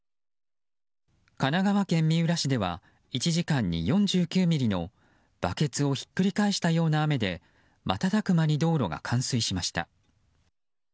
神奈川県三浦市では１時間に４９ミリのバケツをひっくり返したような雨で瞬く間に道路が冠水しました。